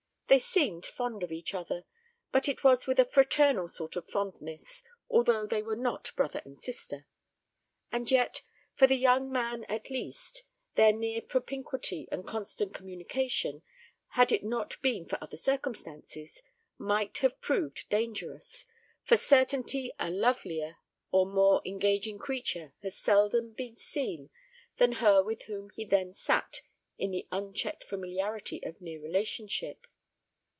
They seemed fond of each other, but it was with a fraternal sort of fondness, although they were not brother and sister; and yet, for the young man at least, their near propinquity, and constant communication, had it not been for other circumstances, might have proved dangerous, for certainly a lovelier or more engaging creature has seldom been seen than her with whom he then sat in the unchecked familiarity of near relationship.